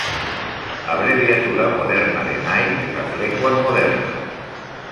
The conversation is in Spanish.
Abreviatura moderna de night en las lenguas modernas.